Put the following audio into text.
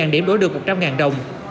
một mươi điểm đổi được một trăm linh đồng